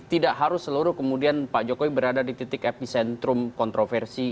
tidak harus seluruh kemudian pak jokowi berada di titik epicentrum kontroversi